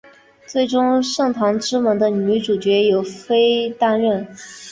最终圣堂之门的女主角由飞担任。